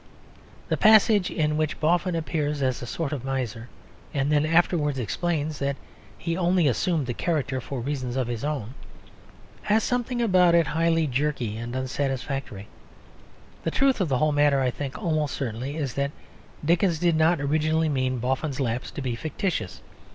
The passage in which Boffin appears as a sort of miser, and then afterwards explains that he only assumed the character for reasons of his own, has something about it highly jerky and unsatisfactory. The truth of the whole matter I think, almost certainly, is that Dickens did not originally mean Boffin's lapse to be fictitious.